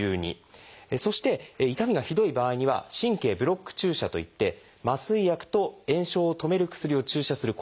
そして痛みがひどい場合には「神経ブロック注射」といって麻酔薬と炎症を止める薬を注射する。